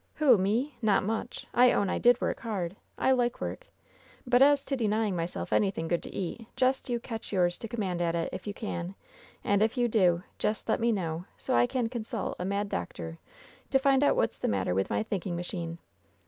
"Who ? Me ? Not much 1 I own I did work hard. I like work. But as to denying myself anything good to eat, jest you catch yours to command at it, if you can ; and if you do, jest let me know, so I can consult a mad doctor to find out what's the matter with my thinking machine.